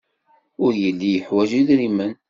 Ur yelli yeḥwaj idrimen.